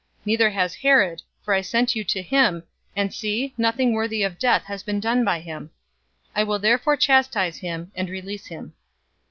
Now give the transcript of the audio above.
023:015 Neither has Herod, for I sent you to him, and see, nothing worthy of death has been done by him. 023:016 I will therefore chastise him and release him."